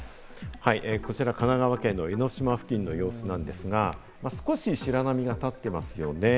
こちら神奈川県の江の島付近の様子なんですが、少し白波が立ってますよね。